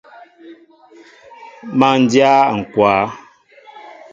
Má dyá ŋkwă.